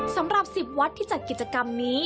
สำหรับ๑๐วัดที่จัดกิจกรรมนี้